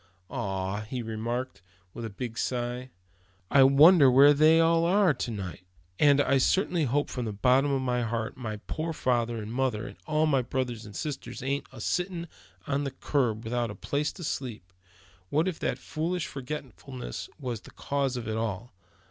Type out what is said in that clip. "Ah!" he remarked, with a big sigh; "I wonder where they all are to night. And I certainly hope from the bottom of my heart, my poor father and mother, and all my brothers and sisters ain't a sittin' on the curb, without a place to sleep in. What if that foolish forgetfulness was the cause of it all?